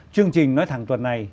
chương trình nói thẳng tuần này